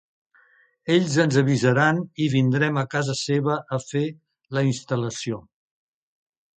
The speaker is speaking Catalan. Ells ens avisaran i vindrem a Casa seva a fer la instal·lació.